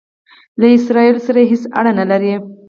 له اسراییلو سره هیڅ اړه نه لري.